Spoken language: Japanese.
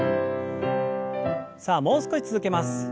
さあもう少し続けます。